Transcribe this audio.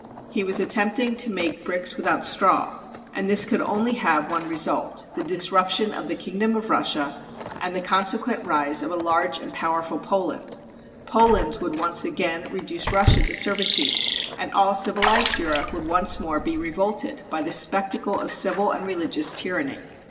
He was attempting to make bricks without straw, and 100 SUPPOSED LETTER FROM AN ARCHITECT this could only have one result — the disruption of the kingdom of Russia and the consequent rise of a large and powerful Poland. Poland would once again reduce Rus sia to servitude, and all civilized Europe would once more be revolted by the spectacle of civil and religious tyranny.